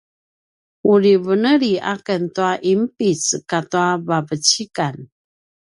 uri veneli aken tua ’inpic katua vavecikan